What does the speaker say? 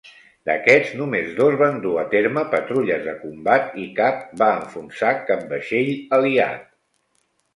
D'aquests, només dos van dur a terme patrulles de combat i cap va enfonsar cap vaixell aliat.